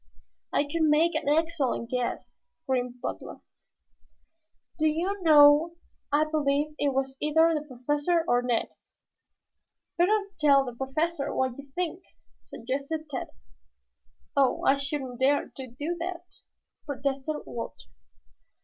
"I could make an excellent guess," grinned Butler. "Do you know, I believe it was either the Professor or Ned." "Better tell the Professor what you think," suggested Tad. "Oh, I shouldn't dare to do that," protested Walter.